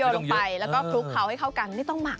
ข้าวนี้ยอดลงไปแล้วก็คลุกเขาให้เข้ากันไม่ต้องหมัก